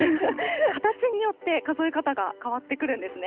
形によって数え方が変わってくるんですね。